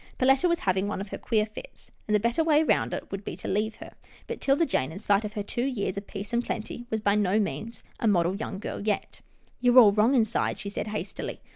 Perletta was having one of her queer fits, and the better way would be to leave her; but 'Tilda Jane, in spite of her two years of peace and plenty, was by no means a model young girl yet. " You're all wrong inside," she said hastily.